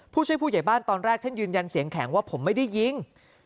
ผู้ช่วยผู้ใหญ่บ้านตอนแรกท่านยืนยันเสียงแข็งว่าผมไม่ได้ยิง